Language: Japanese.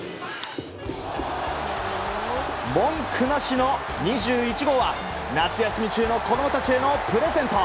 文句なしの２１号は夏休み中の子供たちへのプレゼント。